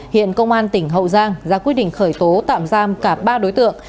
hiện công an tỉnh hậu giang ra quyết định khởi tố tạm giam cả ba đối tượng